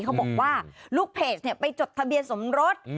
เขาบอกว่าลูกเพจไปจดทะเบียนสมรส